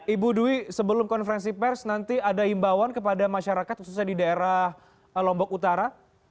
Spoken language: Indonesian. ibu dwi sebelum konferensi pers nanti ada imbauan kepada masyarakat khususnya di daerah lombok utara